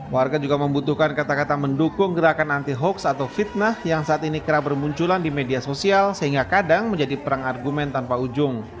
warga juga membutuhkan kata kata mendukung gerakan anti hoax atau fitnah yang saat ini kerap bermunculan di media sosial sehingga kadang menjadi perang argumen tanpa ujung